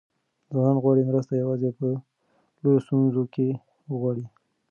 ځوانان غواړي مرسته یوازې په لویو ستونزو کې وغواړي.